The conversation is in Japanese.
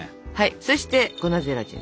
そして粉ゼラチン。